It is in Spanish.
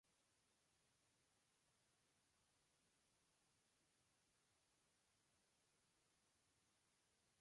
Como músico, Hume toca la guitarra, bajo, teclado, armónica, batería y percusión.